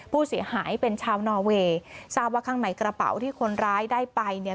ผู้เสียหายเป็นชาวนอเวย์ทราบว่าข้างในกระเป๋าที่คนร้ายได้ไปเนี่ย